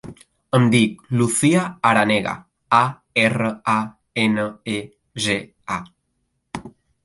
Em dic Lucía Aranega: a, erra, a, ena, e, ge, a.